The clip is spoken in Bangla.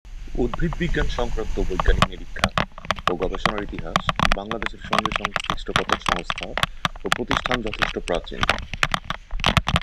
উদ্ভিদবিজ্ঞান সংক্রান্ত বৈজ্ঞানিক নিরীক্ষা ও গবেষণার ইতিহাস বাংলাদেশের সঙ্গে সংশ্লিষ্ট কতক সংস্থা ও প্রতিষ্ঠান যথেষ্ট প্রাচীন।